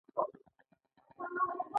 موږ نور ظلم او ستم نشو زغملای.